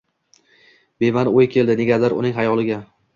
Bema’ni o’y keldi negadir uning xayoliga.